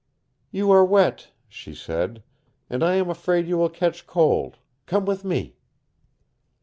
"You are wet," she said. "And I am afraid you will catch cold. Come with me!"